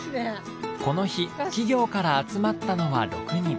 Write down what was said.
この日企業から集まったのは６人。